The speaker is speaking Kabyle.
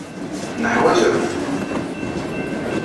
Neḥwaj aman.